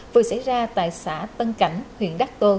vừa xảy ra tại xã tân cảnh huyện đắc tô